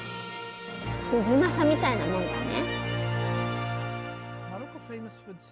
太秦みたいなもんだね。